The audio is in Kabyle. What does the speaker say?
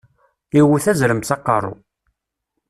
Iwwet azrem s aqeṛṛu.